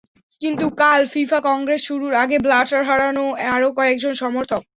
কিন্তু কাল FIFA congress শুরুর আগে ব্ল্যাটার হারান আরও কয়েকজন সমর্থক।